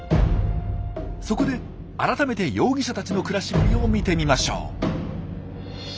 そこで改めて容疑者たちの暮らしぶりを見てみましょう。